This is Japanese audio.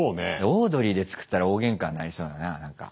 オードリーで作ったら大げんかになりそうだな何か。